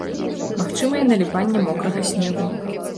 Магчымае наліпанне мокрага снегу.